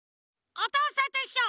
「おとうさんといっしょ」